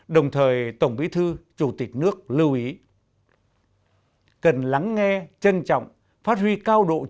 đồng thời tổng bí thư chủ tịch nước lưu ý cần lắng nghe trân trọng phát huy cao độ trí tuệ